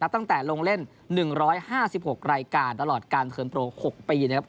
ตั้งแต่ลงเล่นหนึ่งร้อยห้าสิบหกรายการตลอดการเทิร์นโปรหกปีนะครับ